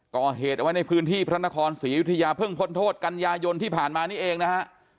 ก่อเหตุเอาไว้ในพื้นที่พระนครศรีอยุธยาเพิ่งพ้นโทษกันยายนที่ผ่านมานี่เองนะฮะ